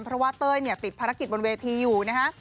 เพราะว่าเต้ยเนี่ยติดภารกิจบนเวทีอยู่นะฮะ